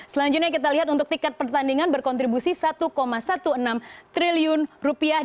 selanjutnya kita lihat untuk tiket pertandingan berkontribusi satu enam belas triliun rupiah